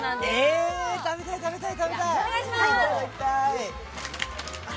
えー、食べたい、食べたい！